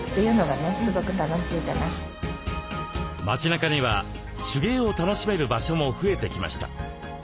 街なかには手芸を楽しめる場所も増えてきました。